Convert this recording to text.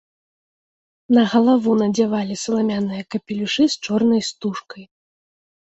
На галаву надзявалі саламяныя капелюшы з чорнай стужкай.